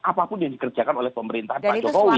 apapun yang dikerjakan oleh pemerintahan pak jokowi